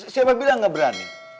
siapa bilang gak berani